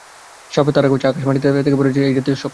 সাপে তাড়া করছে, আকাশ থেকে মাটিতে পড়ে যাচ্ছে-এই জাতীয় স্বপ্ন।